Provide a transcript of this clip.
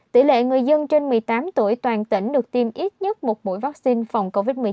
tỷ lệ người dân trên một mươi tám tuổi toàn tỉnh được tiêm ít nhất một mũi vaccine phòng covid một mươi chín đạt sáu mươi chín hai